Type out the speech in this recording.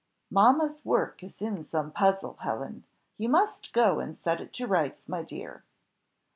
"Mamma's work is in some puzzle, Helen; you must go and set it to rights, my dear."